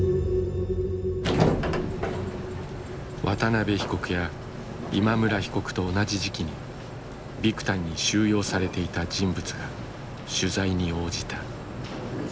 渡邉被告や今村被告と同じ時期にビクタンに収容されていた人物が取材に応じた。